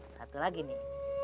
satu lagi nih